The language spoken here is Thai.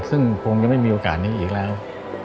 ซึ่งคงจะไม่มีโอกาสนี้อีกแล้ว